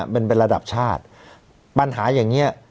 มันเป็นระดับชาติปัญหาอย่างนี้